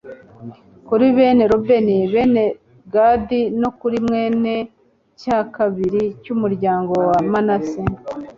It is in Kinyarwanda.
kuri bene rubeni, bene gadi no kuri kimwe cya kabiri cy'umuryango wa manase